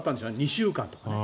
２週間とかね。